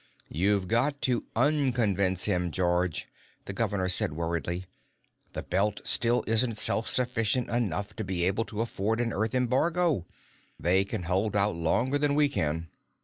"You've got to unconvince him, George," the governor said worriedly. "The Belt still isn't self sufficient enough to be able to afford an Earth embargo. They can hold out longer than we can."